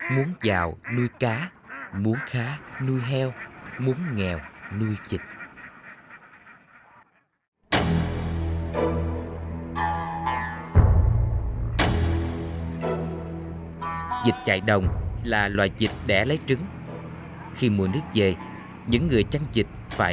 muốn giàu nuôi cá muốn khá nuôi heo muốn nghèo nuôi dịch